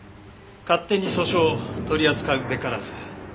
「勝手に訴訟取り扱うべからず」。